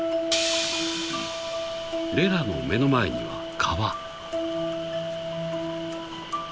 ［レラの目の前には川］